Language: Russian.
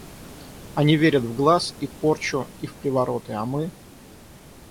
Они верят в глаз, и в порчу, и в привороты, а мы....